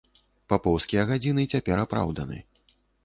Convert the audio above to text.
Папоўскія гадзіны цяпер апраўданы.